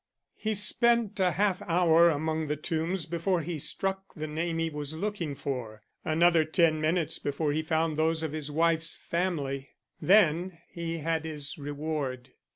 He spent a half hour among the tombs before he struck the name he was looking for. Another ten minutes before he found those of his wife's family. Then he had his reward.